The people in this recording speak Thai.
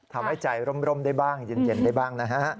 ทำให้ใจร่มได้บ้างเย็นได้บ้างนะฮะ